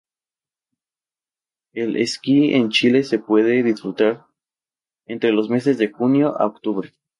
El esquí en Chile se puede disfrutar entre los meses de junio a octubre.